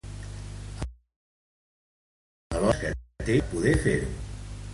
Alhora, compta els reptes que té per poder fer-ho.